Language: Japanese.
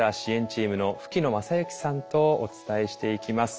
シームの吹野昌幸さんとお伝えしていきます。